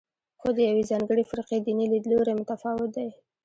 خو د یوې ځانګړې فرقې دیني لیدلوری متفاوت دی.